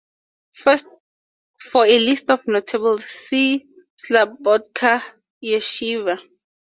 For a list of notables, see Slabodka yeshiva.